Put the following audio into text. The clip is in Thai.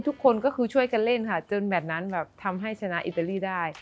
ทุกคนก็คือช่วยกันเล่นค่ะจนแบบนั้นแบบทำให้ชนะอิตาลีได้